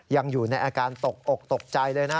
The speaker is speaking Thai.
ยังอยู่ในอาการตกอกตกใจเลยนะ